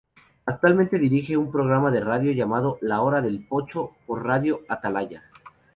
Actualmente dirige un programa de radio llamado "La Hora del Pocho" por Radio Atalaya.